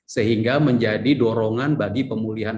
sehingga menjadi dorongan bagi pemulihan